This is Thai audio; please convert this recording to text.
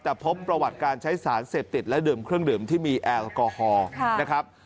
แต่พบประวัติการใช้สารเสพติดและดื่มเครื่องดื่มที่มีแอลกอฮอล์นะครับ